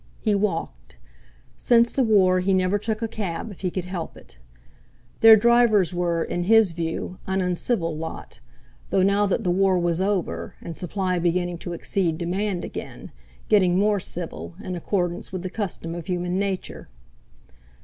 He walked. Since the War he never took a cab if he could help it. Their drivers were, in his view, an uncivil lot, though now that the War was over and supply beginning to exceed demand again, getting more civil in accordance with the custom of human nature.